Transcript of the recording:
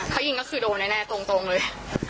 เขายิงก็คือโดนแน่ตรงเลย